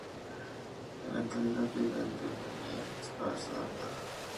En la actualidad vive en Dunedin, Nueva Zelanda.